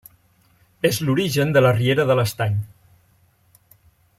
És l'origen de la Riera de l'Estany.